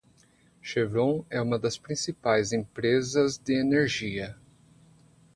Chevron é uma das principais empresas de energia.